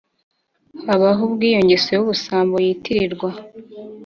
haba ho ubwo iyo ngeso y'ubusa mbo yitirirwa''